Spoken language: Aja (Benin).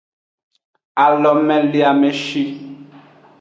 Alomeleameshi.